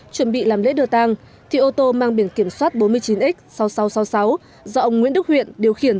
chuẩn bị làm lễ đưa tăng thì ô tô mang biển kiểm soát bốn mươi chín x sáu nghìn sáu trăm sáu mươi sáu do ông nguyễn đức huyện điều khiển